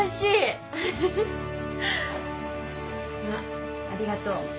わっありがとう。